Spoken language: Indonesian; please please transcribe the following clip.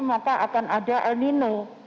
maka akan ada el nino